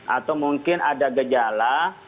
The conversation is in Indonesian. atau mungkin ada gejala